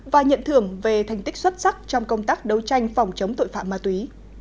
và nhận thưởng về thành tích xuất sắc trong công tác đấu tranh phòng chống tội phạm ma túy